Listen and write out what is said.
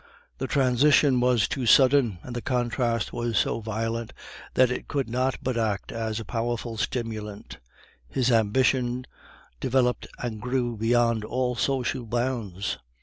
The transition was too sudden, and the contrast was so violent that it could not but act as a powerful stimulant; his ambition developed and grew beyond all social bounds.